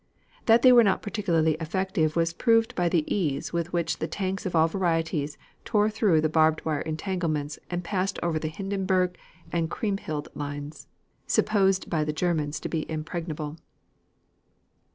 That they were not particularly effective was proved by the ease with which the tanks of all varieties tore through the barbed wire entanglements and passed over the Hindenburg and Kriemhild lines, supposed by the Germans to be impregnable.